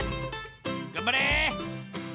がんばれ！